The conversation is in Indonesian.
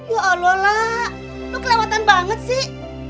ya allah lah lo kelewatan banget sih